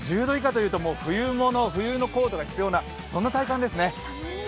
１０度以下というと冬物冬のコートが必要なそんな体感ですね。